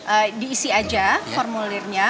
ehm diisi aja formulirnya